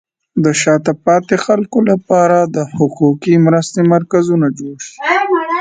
د شاته پاتې خلکو لپاره د حقوقي مرستې مرکزونه جوړ شي.